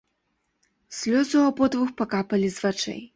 Слёзы ў абодвух пакапалі з вачэй.